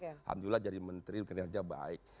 alhamdulillah jadi menteri kinerja baik